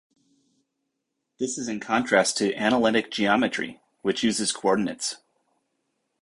This is in contrast to analytic geometry, which uses coordinates.